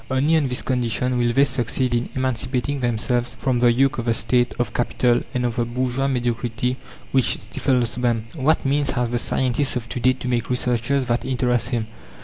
Only on this condition will they succeed in emancipating themselves from the yoke of the State, of Capital, and of the bourgeois mediocrity which stifles them. What means has the scientist of to day to make researches that interest him?